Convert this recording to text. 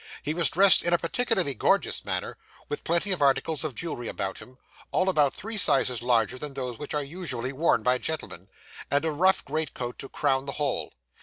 He was dressed in a particularly gorgeous manner, with plenty of articles of jewellery about him all about three sizes larger than those which are usually worn by gentlemen and a rough greatcoat to crown the whole.